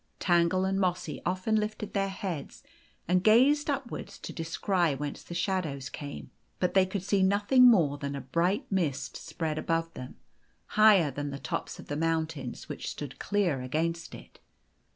Tangle and Mossy often lifted their heads and gazed upwards to descry whence the shadows came ; but they could see nothing more than a bright mist spread above them, higher than the tops of the mountains, which stood clear against it.